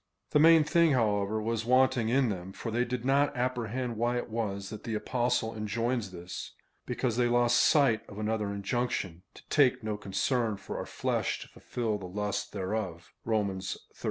The main thing, however, was wanting in them, for they did not apprehend why it was that the Apostle enjoins this, because they lost sight of another injunction — to take no concern for our fie sh to fulfil the lusts thereof (Rom. xiii.